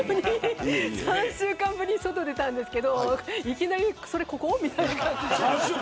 ３週間ぶりに外に出たんですけどいきなり、それここみたいな。